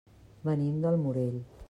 Venim del Morell.